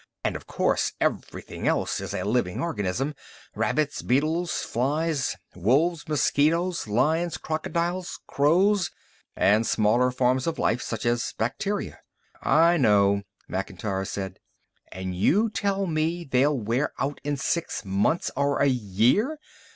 And, of course, everything else is a living organism rabbits, beetles, flies, wolves, mosquitoes, lions, crocodiles, crows, and smaller forms of life such as bacteria." "I know," Macintyre said. "And you tell me they'll wear out in six months or a year.